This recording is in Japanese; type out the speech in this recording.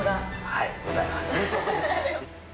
はい、ございます。